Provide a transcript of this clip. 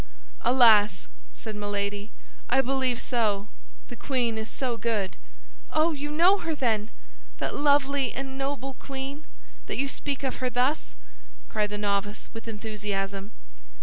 "Alas!" said Milady, "I believe so; the queen is so good!" "Oh, you know her, then, that lovely and noble queen, that you speak of her thus!" cried the novice, with enthusiasm.